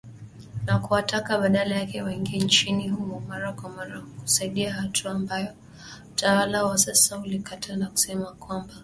Na kuwataka badala yake waingie nchini humo mara kwa mara kusaidia hatua ambayo utawala wa sasa ulikataa na kusema kwamba ni mbaya.